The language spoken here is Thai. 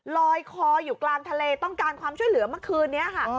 ลอยคออยู่กลางทะเลต้องการความช่วยเหลือเมื่อคืนนี้ค่ะ